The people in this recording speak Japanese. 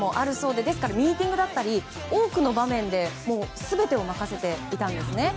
ですから、ミーティングだったり多くの場面で全てを任せていたんです。